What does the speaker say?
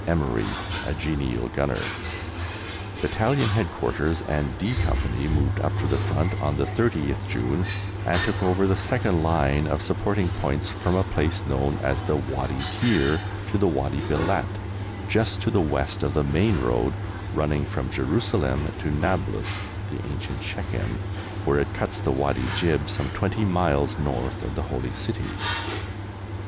Emery, a genial gunner. Battalion Headquarters and D Company moved up to the front on the 30th June and took over the second line of supporting points, from a place known as the Wadi Tiyur to the Wadi Belat, just to the west of the main road running from Jerusalem to Nablus (the ancient Shechem), where it cuts the Wadi Jib some twenty miles north of the Holy City.